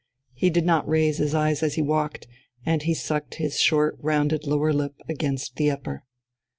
He did not raise his eyes as he walked, and he sucked his short rounded lower lip against the upper....